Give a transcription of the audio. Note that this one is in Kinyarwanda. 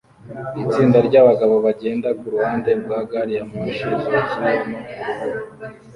Itsinda ryabagabo bagenda kuruhande rwa gari ya moshi zuzuyemo urubura